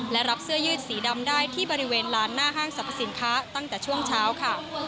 และรับเสื้อยืดสีดำได้ที่บริเวณลานหน้าห้างสรรพสินค้าตั้งแต่ช่วงเช้าค่ะ